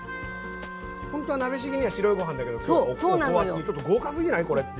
ほんとは鍋しぎには白いご飯だけど今日はおこわっていうちょっと豪華すぎない？